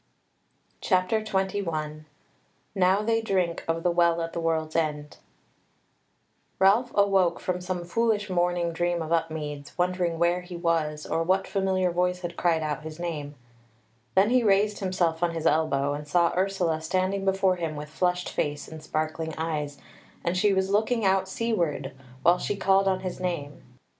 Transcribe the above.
CHAPTER 21 Now They Drink of the Well at the World's End Ralph awoke from some foolish morning dream of Upmeads, wondering where he was, or what familiar voice had cried out his name: then he raised himself on his elbow, and saw Ursula standing before him with flushed face and sparkling eyes, and she was looking out seaward, while she called on his name.